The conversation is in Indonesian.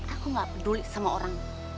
aku gak peduli sama orang